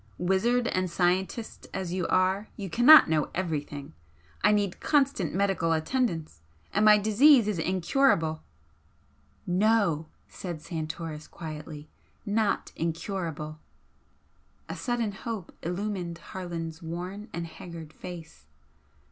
Wizard and scientist as you are, you cannot know everything! I need constant medical attendance and my disease is incurable " "No!" said Santoris, quietly "Not incurable." A sudden hope illumined Harland's worn and haggard face.